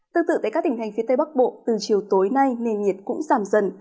tương tự tại các tỉnh thành phía tây bắc bộ từ chiều tối nay nền nhiệt cũng giảm dần